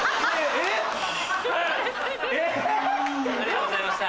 えっ⁉ありがとうございました。